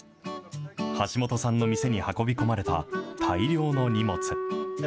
橋本さんの店に運び込まれた大量の荷物。